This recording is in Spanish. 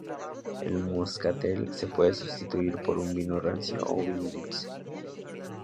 El moscatel se puede sustituir por un vino rancio o vino dulce.